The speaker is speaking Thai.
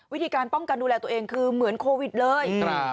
วิธีการป้องกันดูแลตัวเองคือเหมือนโควิดเลย